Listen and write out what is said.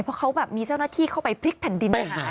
เพราะเขามีเจ้าหน้าที่เข้าไปพริกผันดินหา